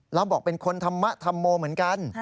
แล้วบอกเป็นคนทำมะทำโมเหมือนกัน